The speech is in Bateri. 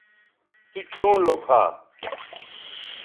تو چوں لوکھا